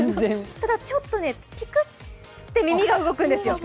ただちょっとピクッて耳が動くんですよ。